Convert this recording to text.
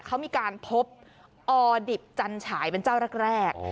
เขามีการพบออดิบจันฉายเป็นเจ้าแรก